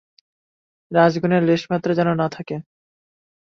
রজোগুণের লেশমাত্র যেন না থাকে।